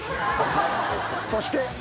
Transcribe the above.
そして。